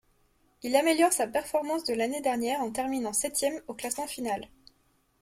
Il améliore sa performance de l'année dernière en terminant septième au classement final.